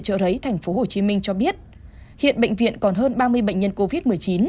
trợ rấy tp hcm cho biết hiện bệnh viện còn hơn ba mươi bệnh nhân covid một mươi chín